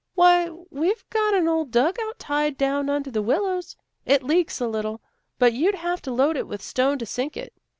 " Why, we've got an old dug out tied down under the willows. It leaks a little, but you'd have to load it with stone to sink it.